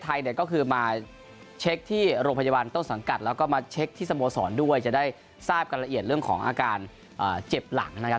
เนี่ยก็คือมาเช็คที่โรงพยาบาลต้นสังกัดแล้วก็มาเช็คที่สโมสรด้วยจะได้ทราบกันละเอียดเรื่องของอาการเจ็บหลังนะครับ